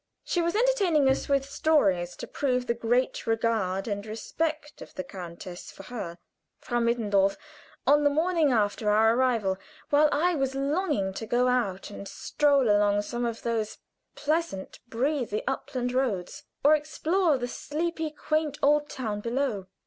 She was entertaining us with stories to prove the great regard and respect of the countess for her (Frau Mittendorf) on the morning after our arrival, while I was longing to go out and stroll along some of those pleasant breezy upland roads, or explore the sleepy, quaint old town below.